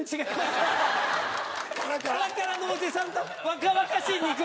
カラカラのおじさんと若々しい肉。